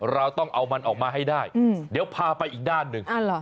เราต้องเอามันออกมาให้ได้เดี๋ยวพาไปอีกด้านหนึ่ง